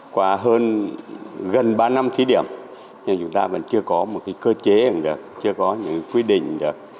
qua hơn gần ba năm kỷ niệm nhưng chúng ta vẫn chưa có một cái cơ chế được chưa có những quy định được